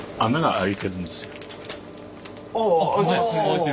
開いてる。